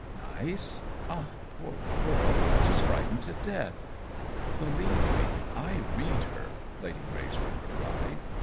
" Nice ? Ah, poor girl, she's frightened to death !" "Believe me — I read her," Lady Greys wood replied.